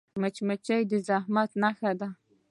مچمچۍ د زحمت نښه ده